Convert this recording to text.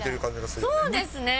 そうですね。